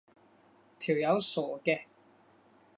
條友傻嘅